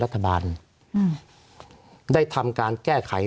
สวัสดีครับทุกคน